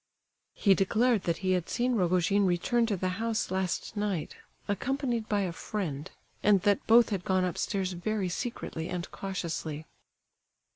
He declared that he had seen Rogojin return to the house last night, accompanied by a friend, and that both had gone upstairs very secretly and cautiously.